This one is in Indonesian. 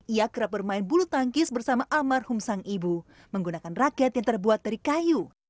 ia kerap bermain bulu tangkis bersama almarhum sang ibu menggunakan raket yang terbuat dari kayu